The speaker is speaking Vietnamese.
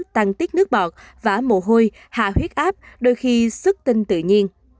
tăng tiết nước bọt và mồ hôi hạ huyết áp đôi khi sức tinh tự nhiên